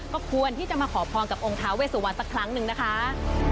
ก็ควรที่จะมาขอพรกับองค์ท้าเวสุวรรณสักครั้งหนึ่งนะคะ